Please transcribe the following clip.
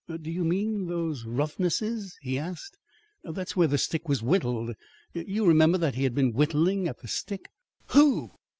"Do you mean those roughnesses?" he asked. "That's where the stick was whittled. You remember that he had been whittling at the stick " "Who?"